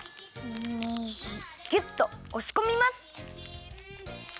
ぎゅっとおしこみます！